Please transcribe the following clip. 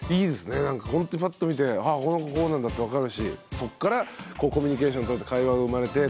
なんかほんとにパッと見てああこの子こうなんだって分かるしそっからコミュニケーション取れて会話が生まれてっていう。